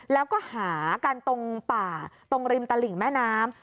แล้วก็หากันตรงป่าตรงริมตลิ่งแม่น้ำ